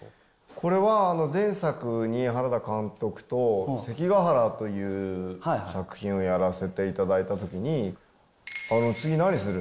これは、前作に原田監督と関ヶ原という作品をやらせていただいたときに、次何する？